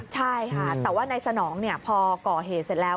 ใช่ค่ะแต่ว่านายสนองพอก่อเหตุเสร็จแล้ว